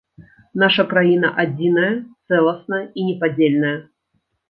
Наша краіна адзіная, цэласная і непадзельная.